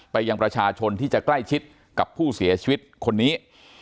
ยังประชาชนที่จะใกล้ชิดกับผู้เสียชีวิตคนนี้